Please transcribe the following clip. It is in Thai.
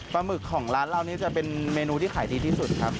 หมึกของร้านเรานี่จะเป็นเมนูที่ขายดีที่สุดครับ